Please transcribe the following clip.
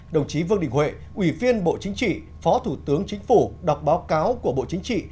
đồng chí vương đình huệ ủy viên bộ chính trị phó thủ tướng chính phủ đọc báo cáo của bộ chính trị